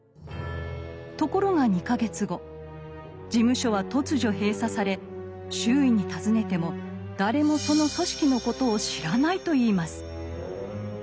ところが２か月後事務所は突如閉鎖され周囲に尋ねても誰もその組織のことを知らないといいます。